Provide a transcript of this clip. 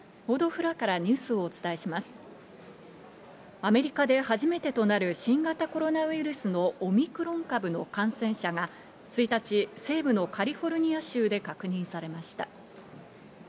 アメリカで初めてとなる新型コロナウイルスのオミクロン株の感染者が、１日、西部のカリフォルニア州で確認されました。